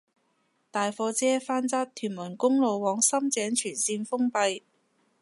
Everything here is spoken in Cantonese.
大貨車翻側屯門公路往深井全綫封閉